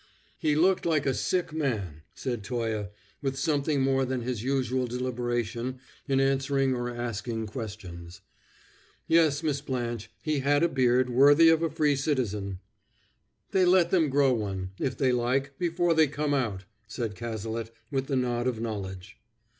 "He looked like a sick man," said Toye, with something more than his usual deliberation in answering or asking questions. "Yes, Miss Blanche, he had a beard worthy of a free citizen." "They let them grow one, if they like, before they come out," said Cazalet, with the nod of knowledge.